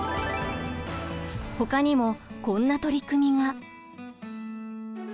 ほかにもこんな取り組みが。